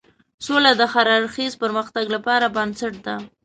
سوله د هر اړخیز پرمختګ لپاره بنسټ ده.